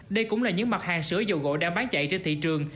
đây cũng là những mặt hàng sữa dầu gội đang bán chạy trên thị trường